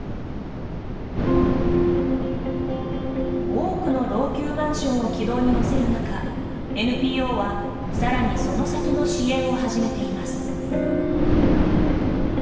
多くの老朽マンションを軌道に乗せる中ＮＰＯは、さらにその先の支援を始めています。